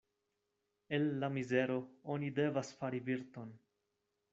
El la mizero oni devas fari virton.